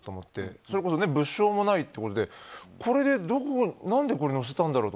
それこそ物証もないというところでこれで何でこれを載せたんだろうと。